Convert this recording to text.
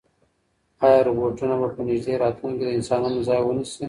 ایا روبوټونه به په نږدې راتلونکي کې د انسانانو ځای ونیسي؟